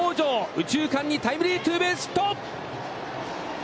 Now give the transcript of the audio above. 右中間にタイムリーツーベースヒット。